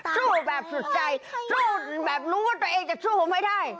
สู้แบบสุดใจสู้แบบรู้ว่าตัวเองจะสู้ผมไม่ได้